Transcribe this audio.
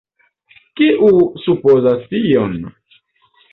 Kiu supozas tion?